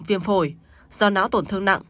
viêm phổi do não tổn thương nặng